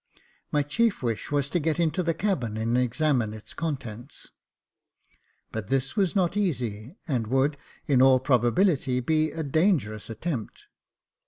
My chief wish was to get into the cabin and examine its contents ; but this was not easy, and would, in all proba bility, be a dangerous attempt.